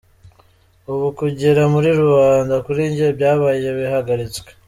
Ubu kugera muri rubanda kuri njye byabaye bihagaritswe.